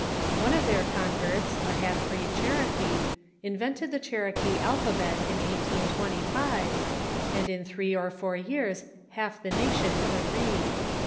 One of their converts, a half breed Cherokee, invented the Cherokee alphabet in 1825, and in three or four j'ears half the nation could read.